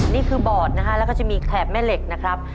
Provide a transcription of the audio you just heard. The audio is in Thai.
นี่คือบอดนะครับแล้วก็จะมีแถบแม่เหล็กนะครับ